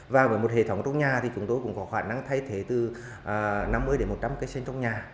và với một hệ thống trong nhà thì chúng tôi cũng có khả năng thay thế từ năm mươi đến một trăm linh cây xanh trong nhà